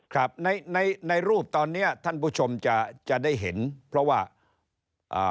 ครับในในรูปตอนเนี้ยท่านผู้ชมจะจะได้เห็นเพราะว่าอ่า